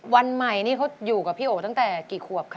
วันใหม่นี่เขาอยู่กับพี่โอตั้งแต่กี่ขวบคะ